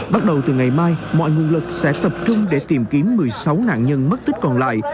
bắt đầu từ ngày mai mọi nguồn lực sẽ tập trung để tìm kiếm một mươi sáu nạn nhân mất tích còn lại